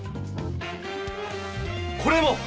これも！